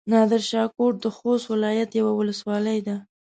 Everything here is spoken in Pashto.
نادرشاه کوټ د خوست ولايت يوه ولسوالي ده.